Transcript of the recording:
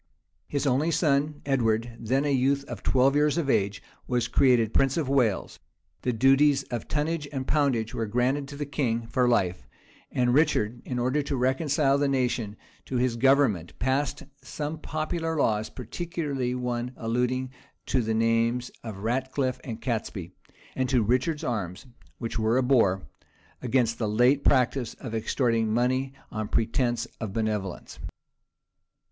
His only son, Edward, then a youth of twelve years of age, was created prince of Wales: the duties of tonnage and poundage were granted to the king for life; and Richard, in order to reconcile the nation to his government, passed some popular laws, particularly one alluding to the names of Ratcliffe and Catesby; and to Richard's arms, which were a boar, against the late practice of extorting money on pretence of benevolence.